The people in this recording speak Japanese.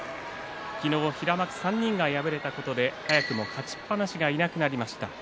昨日、平幕３人が敗れたことで早くも勝ちっぱなしがいなくなりました。